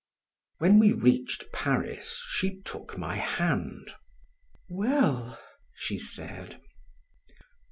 When we reached Paris she took my hand: "Well?" she said.